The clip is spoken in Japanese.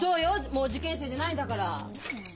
もう受験生じゃないんだから。